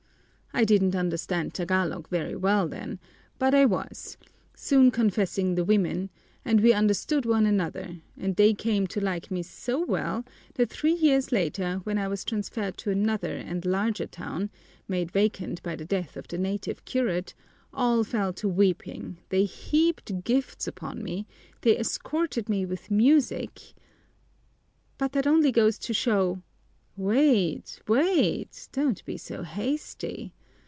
I didn't understand Tagalog very well then, but I was, soon confessing the women, and we understood one another and they came to like me so well that three years later, when I was transferred to another and larger town, made vacant by the death of the native curate, all fell to weeping, they heaped gifts upon me, they escorted me with music " "But that only goes to show " "Wait, wait! Don't be so hasty!